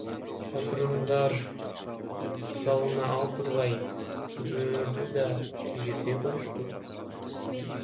Отурумдар залына ал тургай күбөлөрдү да киргизбей коюшту!